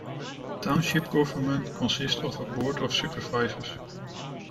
Township government consists of a board of Supervisors.